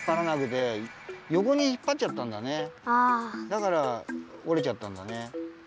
だから折れちゃったんだね。